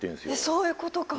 そういうことか。